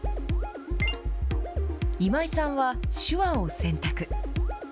今井さんは、手話を選択。